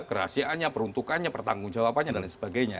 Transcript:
kerahasiaannya peruntukannya pertanggung jawabannya dan lain sebagainya